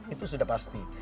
itu sudah pasti